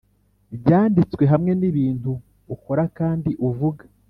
byanditswe hamwe nibintu ukora kandi uvuga.